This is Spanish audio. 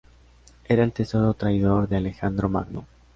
Era el tesorero traidor de Alejandro Magno.